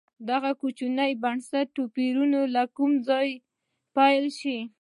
دغه کوچني بنسټي توپیرونه له کومه ځایه پیل شول.